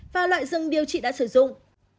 và loại dương điều trị đã sử dụng